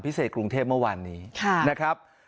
กรุงเทพเมื่อวานนี้นะครับ